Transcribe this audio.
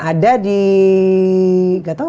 ada di nggak tahu